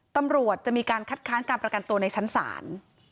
ตำรวจจะมีการคัดค้านการประกันตัวในชั้นศาล